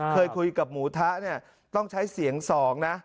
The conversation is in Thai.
เคยคุยกับหมูทะเนี่ยต้องใช้เสียง๒นะ